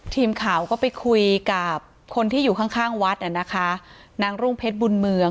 ทีมข่าวก็ไปคุยกับคนที่อยู่ข้างข้างวัดอ่ะนะคะนางรุ่งเพชรบุญเมือง